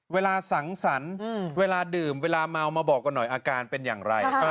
เวลาสังสรรค์เวลาดื่มเวลาเมามาบอกกันหน่อยอาการเป็นอย่างไร